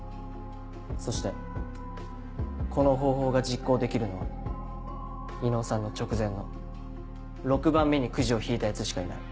そしてこの方法が実行できるのは伊能さんの直前の６番目にくじを引いたヤツしかいない。